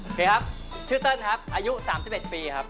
เลยครับชื่อเติ้ลครับอายุ๓๑ปีครับ